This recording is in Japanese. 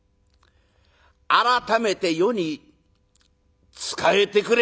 改めて余に仕えてくれ。